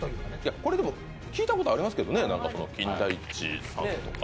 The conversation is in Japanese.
これ、聞いたことありますけどね、金田一さんとか。